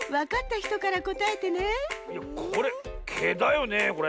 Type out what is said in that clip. いやこれ「け」だよねこれ？